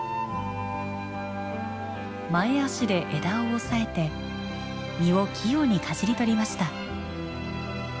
前足で枝を押さえて実を器用にかじり取りました。